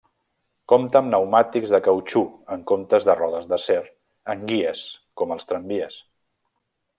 Compta amb pneumàtics de cautxú en comptes de rodes d'acer en guies com els tramvies.